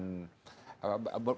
bukan merupakan suatu hal yang benar